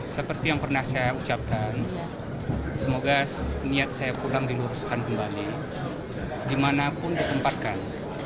seperti yang pernah saya ucapkan semoga niat saya pulang diluruskan kembali dimanapun ditempatkan